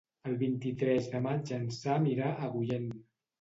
El vint-i-tres de maig en Sam irà a Agullent.